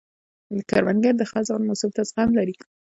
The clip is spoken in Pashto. کروندګر د خزان موسم ته زغم لري